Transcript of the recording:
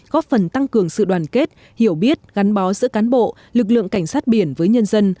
góp phần tăng cường sự đoàn kết hiểu biết gắn bó giữa cán bộ lực lượng cảnh sát biển với nhân dân